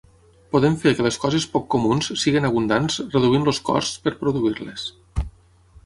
Podem fer que les coses poc comuns siguin abundants reduint els costs per produir-les.